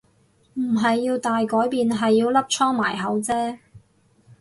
唔係要大改變係要粒瘡埋口啫